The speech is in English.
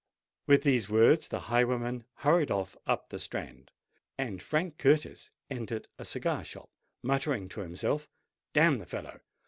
With these words the highwayman hurried off up the Strand: and Frank Curtis entered a cigar shop, muttering to himself, "Damn the fellow!